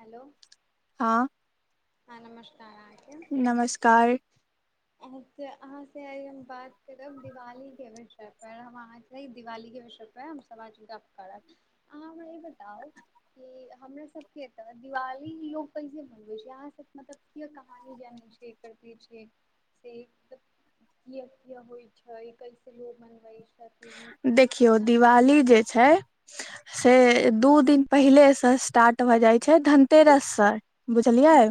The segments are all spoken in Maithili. हैलो हां हां नमस्कार आ आहां अहाँ से हम आई बात करब दिवाली के विषय पर हम अहाँ दिवाली के अहाँ हमरा ई बताउ कि हमरा सबके तरफ दिवाली लोग कैसे मनबे छै यहाँ सब मतलब किया कहानी जानय छै करते छै से कियो कियो होइ छै कैसे लोग मनबे छै देखियौ दिवाली जे छै हूँ से दू दिन पहिले स्टारट भअ जाइ छै छै धनतेरस सर बुझलियै हूँ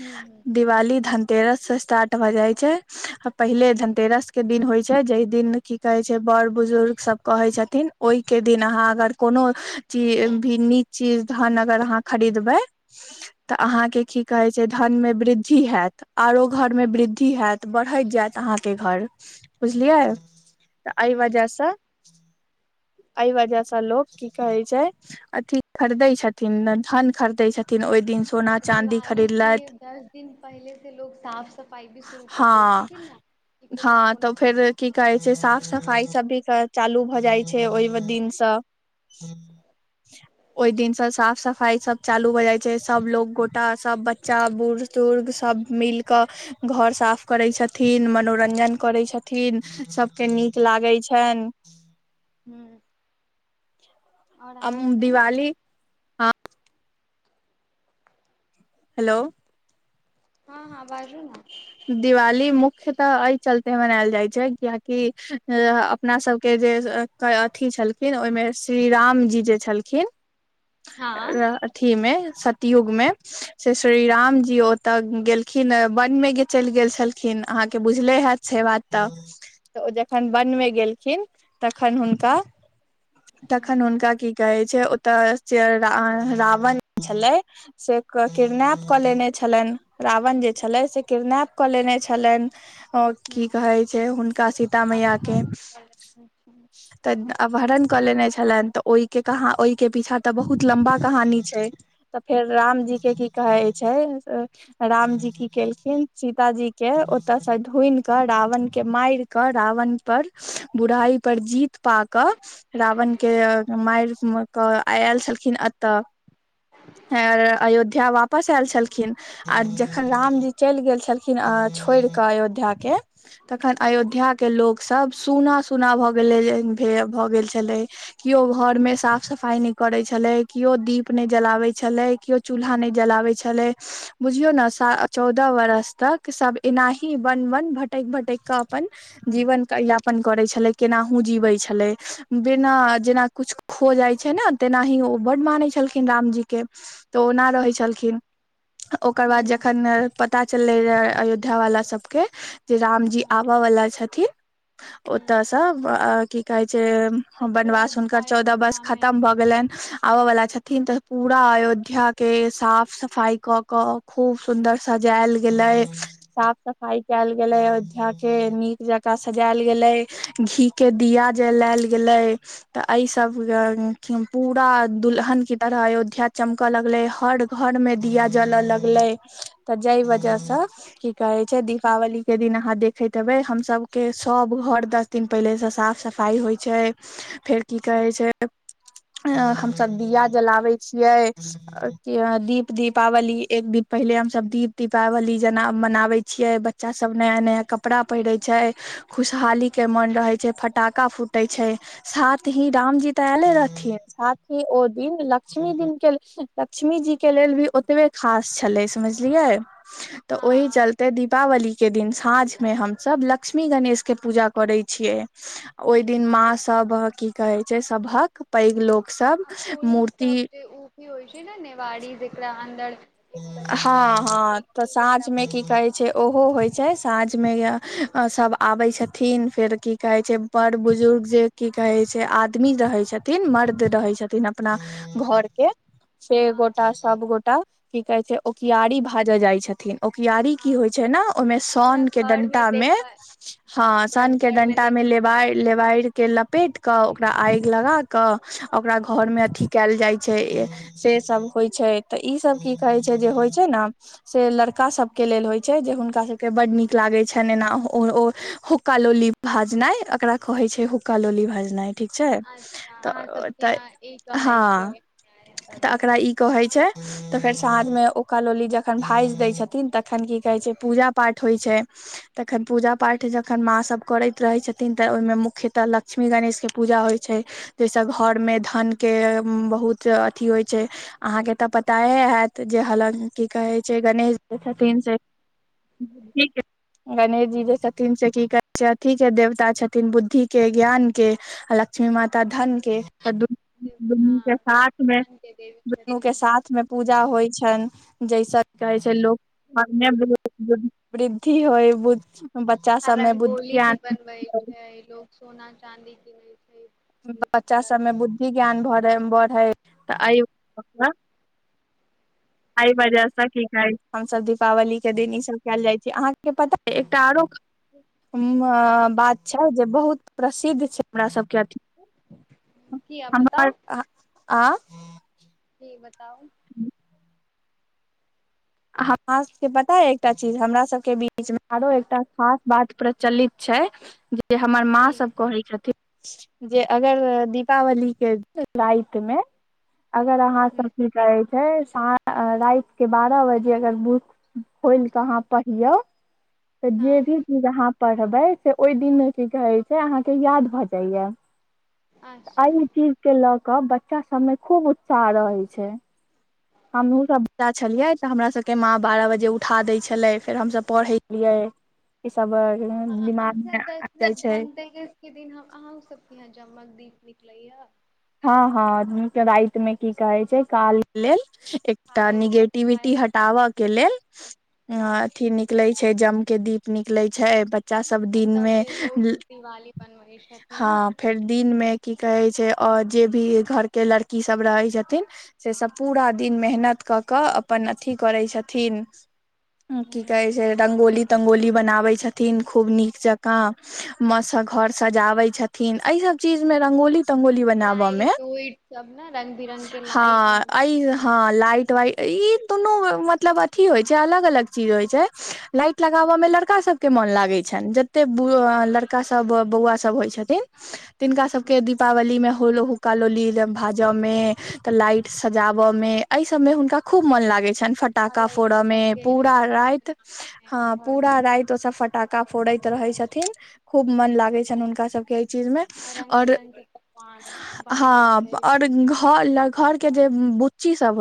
हूँ दिवाली धन तेरस से स्टार्ट भ जाय छै पहिले हूँ धनतेरस के दिन होय छै जे दिन की कहे छै बर बुजुर्ग सब कहय छथिन ओहि के दिन अहाँ अगर कोनो भी नीक चीज धन अगर अहाँ खरीदबै ह तऽ अहाँ के की कहे छै धन में वृद्धि हयत आरो घर में वृद्धि हयत बढ़ैत जायत अहाँके घर बुझलियै तऽ एहि वजहसँ हँ एहि वजहसँ लोक की कहै छै अथि खरीदै छथिन धन खरीदै छथिन ओहि दिनसँ दिवाली के दस दिन पहिलेसँ लोक साफ सफाइ भी शुरू कर हँ दै छथिन ने कि कोना हँ कोना तऽ फेर की कहै छै साफ सफाई सब भी चालू भऽ जाय छै ओहि दिनसँ ओहि दिनसँ साफ सफाई सब चालू भ जाइ छै सब लोग गोटा सब बच्चा बूढ़ बुजुर्ग सभ मिलकऽ घर साफ करै छथिन मनोरंजन करै छथिन सभके नीक लागय छनि हू आ दिवाली हँ हेलो हँ हँ बाजू ने दिवाली मुख्यतऽ एहि चलते मनायल जाइ छै कियकि अपना सबके जे अथी छलखिन ओहिमे श्री रामजी जे छलखिन र हँ अथीमे सतयुग मे से श्री राम जी ओतऽ गेलखिन वन मे चलि गेल छलखिन अहाँके बुझले हैत से बात तऽ ओ जखन बनमे गेलखिन तखन हुनका हूँ तखन हुनका की कहे ओतऽ से रावण छले से किडनैप क लेने छले रावण जे छलै से किडनैप कऽ लेने छलनि हँ की कहै छै हुनका सीता मैया के तऽ अपहरन कऽ लेने छलनि तऽ ओहि के कह ओहि के पीछा तऽ बहुत लम्बा कहानी छै तऽ फेर रामजी के की कहे छै रामजी की केलखिन सीताजी के ओते से ढुंढि क रावण के मार क रावण पर बुराइ पर जीत पाकऽ रावण के मार के आय आल छलखिन ए त अयोध्या वापस एल छलखिन आ जखन राम जी क चलि गेल छलखिन अ छोड़ के अयोध्या के तखन अयोध्या के लोग सब सुना सुना भ गेल भऽ गेल छलै किओ घर मे साफ सफाई नहि करे छलै कि किओ दीप नहि जलाबैत छलय केओ चूल्हा नहि जलाबैत छलय बुझियौ ने सा चौदह बरस तक सब एनाही वन वन भटैक भटैक कऽ अपन जीवन यापन करे छले केनाहु जीवै छल छलै बिना जेना किछु हो जाइ छै ने तेनाही ओ बड्ड मानै छलखिन रामजी के तऽ ओना रहै छलखिन ओकर बाद हूँ जखन पता चललै रहै अयोध्या वाला सबके जे रामजी आबऽ वला छथिन ओ हूँ तऽस अ की जे सब पूरा वनवास हुनकर चौदह वर्ष अयोध्या मे खतम भऽ गेलनि आबऽवला छथिन हूँ तऽ पूरा अयोध्या अयोध्या के साफ सफाई क क खूब सुंन्दर सजायल गेलै साफ-सफाई कयल गेलै अयोध्या के नीक जका सजायल गेलै घीे के दिया जलायल गेलै तऽ एहि सब हूँ पूरा दुल्हन की तरह अयोध्या चमकअ लगलै हर घर में दिया ज लऽ लगलै त जय वजह हूँ से की कहै छै हँ दीपावली के दिन अहां देख बै हमसभके सभ घर दस दिन पहिलेसँ साफ सफाइ होइ छै फेर की करै रहै छै हम सब दिया जलाबै छियै दीप दीपावली एक दिन पहिले हम सब दीप दीपावली जेना मनाबै चियै बच्चा सब नया-नया कपड़ा पहिरे छै खुश खुशहाली के मन रहै छै फटाका फूटे छै साथ ही रामजी त आयले रहथिन साथ कि ओ दिन लक्ष्मी दिन केलखिन लक्ष्मी जी के लेल भी ओतबे खास छलै समझलियै तऽ ओहि हँ चलते दीपावली के दिन साँझ मे हमसब लक्ष्मी गणेश के पूजा करै छियै ओहि दिन माँ सब सब की कहे छै सभक पैघ लोक सब आ फूल मूर्ति सब जे ओ भी होइ छै ने नेवारी जेकरा अन्दर एक लकड़ी हँ रहै छै हँ तऽ टेकरी जेकरा साँझमे बोलल की जाइ कहै छै ओहो होइ छै साँझ सब आबै छथिन फेर की कहै छै बड़ बुजुर्ग जे की कहै छै आदमी रहै छथिन मर्द रहै छथिन अपना घरके से हँ गोटा सब गोटा की कहे छै ओकियारी भाजऽ जाय छथिन ओकियारी की होइ हँ छै ने ओहिमे पूरा सनके घर डंटा मे देखऽ हँ पूरा सनके घर डंटा मे देखा के लेबारि-लेबारि के लपेट कऽ ओकरा आगि लगा कऽ ओकरा घर मे अथी कयल जाइ छै से सब होइ छै ई सब की कहै छै जे होय छै ने से लड़का सब के लेल होय छै जे हुनका सबके बड़ नीक लागे छै छै एना ओ हुका लोली भजनाइ एकरा कहे छै हुक्का लोली भजनाइ ठीक छै अच्छा अहाँ तऽ सबके तऽ यहाँ ई कहै छै हँ हमरा तऽ एकरा दोसर ई कहै छै तऽ फेर साँझमे हुका लोली जखन भाइज दैत छथिन तखन की कहै छै पूजा पाठ होइत छै तखन पूजा पाठ जखन माँ सब करैत रहै छथिन तऽ ओहिमे मुख्यतः लक्ष्मी गणेश के पूजा ताहिसे हूँ घर मे धन के बहुत अथी होइ छै अहाँके तऽ पता हयत जे हालकी की कहै छै गणेश जे छथिन से ठीक ह गणेश जी जे छथिन से की करै छै अथी के देवता छथिन बुद्धि के ज्ञान के अ लक्ष्मी माता धन के त दुन दुनू के हँ साथ मे धन के देवी दुनू के छथिन साथ मे पूजा होइ छनि जाहिस की कहै छै लोग घरमे बहुत वृद्धि होय बु आ रंगोली भी बनबै छै लोग सोना चाँदी किनैछै बच्चा सबमे बुद्धि ज्ञान भरे तऽ आइ आइ बाजा हूँ था की काइल हम सब दीपावली के दिन ई सब कयल जाइ छै अहाँके पता एकटा आरो बात छै जे बहुत प्रसिद्ध छै हमरा सबके अथी की आब हमर आ जी बताउ हमरा सबके पता यै एकटा चीज हमरा सबके बीच मे आरो एकटा खास बात प्रचलित छै हमर मां की सब कहै छथिन जे हूँ अगर दीपावली राति मे अगर अहाँ सब हूँ की कहैछी राति के बारह बजे अगर बोयलके आहां पढियौ हँ पढ़बै से ओहि दिनमे की कहैत छै अहाँके याद भऽ जाइया अच्छा एहि चीज के लअके तब बच्चा सबमे खूब उत्साह रहै छै हमहु सब बच्चा छलियै तऽ हमरा सबके माँ बारह बजे उठा दै छलै फेर हम सब पढ़ैत रहिए ह अहां सबके छै धनतेरस के दिन हम अहाओ सबके यहा जगमग दीप निकलै य हँ हँदम के राति मे की कहे छै काल लेल एकटा खाय सब नेगेटिविटी खाय सब हटाबऽ के लेल हँ अथी निकलै जम के दीप निकले छै बट बच्चा सब आ दिन तब मे जे लोग दिवाली बनबै छथिन हँ फेर दिन मे की कहै छै अ जे भी इ घर के लड़की सब रहै छथिन से सब पूरा दिन मेहनत क कऽ अपन अथी करै छथिन की न कहै छै रंगोली रंगोली बनाबै छथिन खूब नीक जकाँ माँ से घर सजाबै छथिन यई सब चीज में रंगोली तंगोली बनाबऽ मे लाइट ऊइट सब ने रंग बिरंग के लाइट हँ लगबै अइ हँ छथिन लाइट वाइट ई दुनू मतलब अथी होइ अलग अलग चीज होय छै लाइट लगाब में लड़का सब के मन लागे छै जतै लड़का सब बौआ सब होइ छथिन तिनका सब के दीपावली में होल हुक्का लोलील भाजऽ मे तऽ लाइट सजाबऽ में एहि सभमे हुनका खूब मौन लागै छनि फटाका अलायची फोड़ऽ में सबके पूरा रंगोली राति बनाबे ह घर पूरा से राति ओ सब फटाका फोड़ैत रहै छथिन खूब मन लागै छनि हुनका सभके एहि चीज में रंग आ और बिरंग के पकवान बानै हँ छै और घर घर के जे बुच्ची सब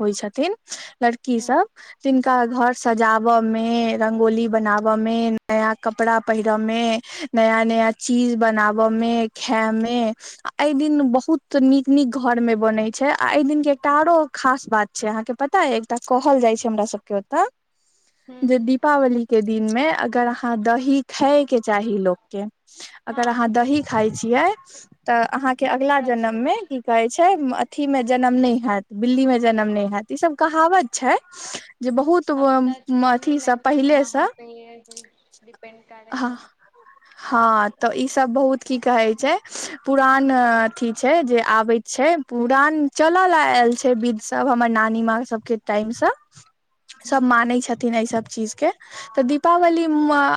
हो छथिन लड़की हूँ सब तिनका घर सजावय में रंगोली बनावऽ में नया कपड़ा पहिर में नया नया चीज बनाबे में खेए में ए दिन बहुत निक निक घर में बन छै आ एहि दिन के एकटा आरो खास बात छै अहाँ के पता है एकटा कहल जाइ छै हमरा सबके ओतऽ हूँ जे दीपावली के दिन में अगर अहाँ दही खएके चाही लोक के अगर हँ अहाँ बीज दही खाइ छियै तऽ अहाँ के अगला बड़ा जन्म शुभ में मानल कि कहै जाइ छै अथी में जन्म जनम नहि हयत बिल्ली मे जनम नहि हयत ई सब कहावत छै जे बहुत अब तऽ मानू अथी सँ नहि मानू पहिले वहाँ सँ पे मैं डिपेंड ह करैय हँ तऽ ई सब बहुत की कहै छै पुरान अथी छै जे आबे छै पुरान चल ल आल छै विध सब हमर नानी नानी माँ सब के टाइम से सभ हूँ मानै छथिन एहि सब चीज के तऽ दिपावली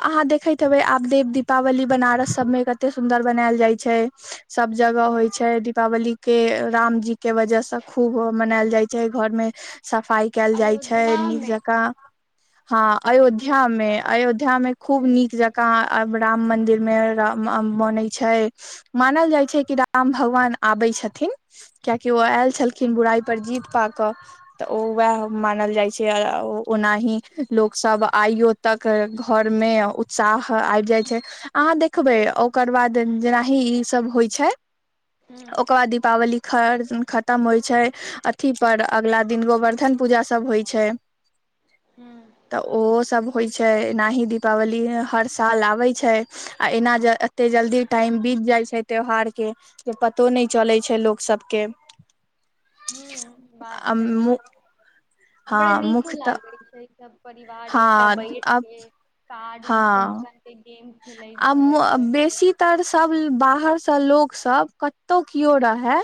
अहाँ देखैत हेबै आब देव दिपावली बनारस सब में कतैय सुन्दर बनायल जाइ छै सब जगह होइ हूँ छै दिपावली के राम जी के वजह से खूब मनायल जाइ छै घर में सफाई कैद जाइ छै नीक अयोध्यामे जका हँ अयोध्या अयोध्यामे बड़ा में अयोध्या धूमधाम में से खूब होइ नीक छै जकाँ राम मन्दिर मन्दिर में राम मानै छै मानल जाइ छै कि राम भगवान आबै छथिन किया कि ओ आयल छलखिन बुराई पर जीत पाकऽ तऽ ओ हूँ वोएह मानल जाइ छै ओ नाही लोक सब आइयो तक घर मे उत्साह आब जाय अहाँ देखबै ओकर बाद जेनाहि ई सब होइ छै छै हूँ ओकर बाद दिपावली खर खतम होइ छै अथी पर अगला दिन गोवर्धन पूजा सभ होइ छै ह तऽ ओ सब होइत छै एनाही दिपावली हर साल आबै छै आ एना एते जल्दी टाइम बीत जाइ छै त्यौहार के जे पतो नहि चलै छै लोक सब के ह बात तऽ याँ ब नीको मुख्यतः लागे छै सब बाहर हँ एकटा बैठ आब कऽ काड उड गेम खेलै आ छै रंग बिरंग के बेसीतर सब खाना बाहर सँ लोक सब कतौ केओ रहे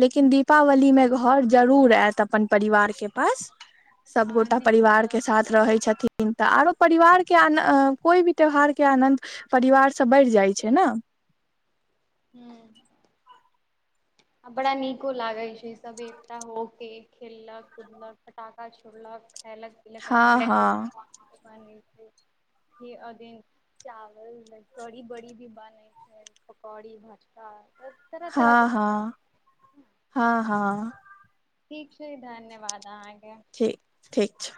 लेकिन हूँ दीपावली मे घर जरूर आयत अपन परिवार के पास हँ सबगोटा दील परिवार के साथ रहे छथिन थींन तऽ आरो परिवार के कोई भी त्यौहार के आनन्द परिवारसँ बढ़ि जाइ छै ने ह्म आ बड़ा नीको लागे छै सभ एकता हो के खेललक कूदलक फटाखा छोड़लक खेलक पिलक रंग हँ बीरंग के हँ पकवान बनेंने खीर अ [unintelligible] चावल कड़ी बड़ी भी बनै छै पकौड़ी भजका तरह हँ तरहके पकवान हँ हँ हँ ठीक छैे धन्यवाद ठीक ठीक छै